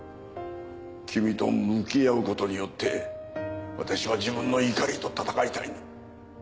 君と向き合うことによって私は自分の怒りと戦いたい。